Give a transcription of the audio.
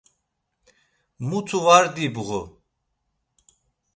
Mutu var dibğu.